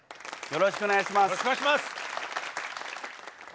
よろしくお願いします。